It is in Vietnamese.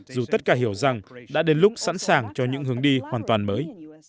dù tất cả hiểu rằng đã đến lúc sẵn sàng cho những hướng đi hoàn toàn mới